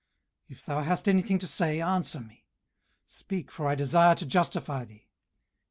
18:033:032 If thou hast anything to say, answer me: speak, for I desire to justify thee.